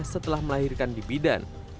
setelah melahirkan di bidan